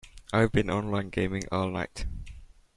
I've been online gaming all night.